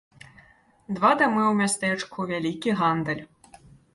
Два дамы ў мястэчку, вялікі гандаль.